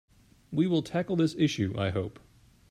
We will tackle this issue, I hope.